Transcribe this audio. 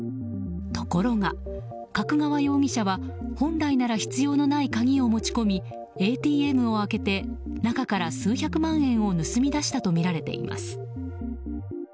ところが、角川容疑者は本来なら必要のない鍵を持ち込みＡＴＭを開けて中から数百万円を盗み出したとみられています。